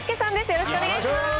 よろしくお願いします。